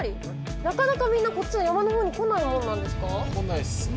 なかなかみんなこっちの山の方に来ないもんなんですか？